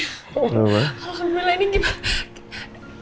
alhamdulillah ini gimana